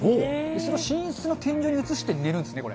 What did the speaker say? それを寝室の天井に映して寝るんですね、これ。